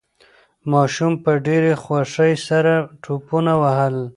ماشوم په ډېرې خوښۍ سره ټوپونه وهل.